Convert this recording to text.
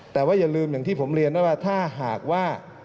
แต่ว่าอย่าลืมอย่างที่ผมเรียนนะว่าถ้าหากว่า